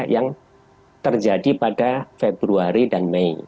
yang terjadi pada februari dan mei